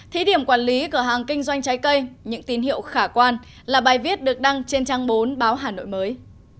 thí điểm quản lý cửa hàng kinh doanh trái cây những tin hiệu khả quan là bài viết được đăng trên trang bốn báo hà nội mới